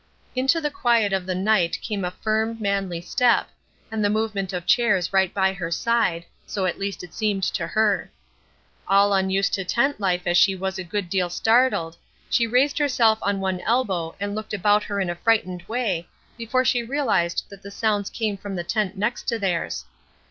Into the quiet of the night came a firm, manly step, and the movement of chairs right by her side, so at least it seemed to her. All unused to tent life as she was a good deal startled she raised herself on one elbow and looked about her in a frightened way before she realized that the sounds came from the tent next to theirs.